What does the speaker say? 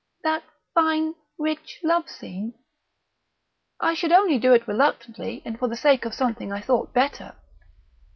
"That fine, rich love scene?" "I should only do it reluctantly, and for the sake of something I thought better."